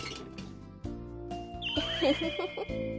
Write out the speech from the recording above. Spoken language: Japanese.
ウフフフフ。